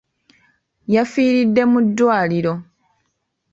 Yafiiridde mu ddwaliro.